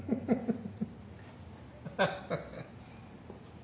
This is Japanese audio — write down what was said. ハハハハ。